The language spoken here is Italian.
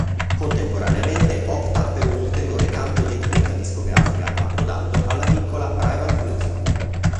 Contemporaneamente, opta per un ulteriore cambio d'etichetta discografica, approdando alla piccola Private Music.